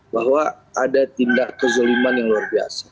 bahwa ada tindak kezoliman yang luar biasa